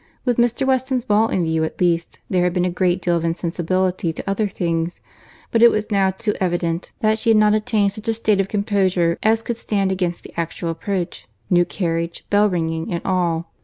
With Mr. Weston's ball in view at least, there had been a great deal of insensibility to other things; but it was now too evident that she had not attained such a state of composure as could stand against the actual approach—new carriage, bell ringing, and all.